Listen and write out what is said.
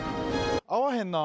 あわへんな。